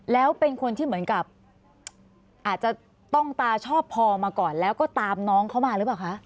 แล้วเป็นคนที่เหมือนกับอาจจะต้องตาชอบพอมาก่อนแล้วก็ตามน้องเขามาหรือเปล่าคะ